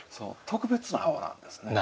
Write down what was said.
特別な青なんですね。